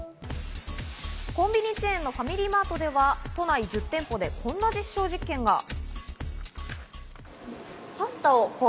コンビニチェーンのファミリーマートでは都内１０店舗でこんな実証実験が。